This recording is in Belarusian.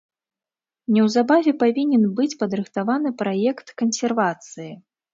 Неўзабаве павінен быць падрыхтаваны праект кансервацыі.